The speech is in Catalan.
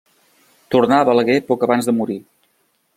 Tornà a Balaguer poc abans de morir.